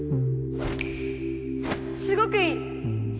すごくいい！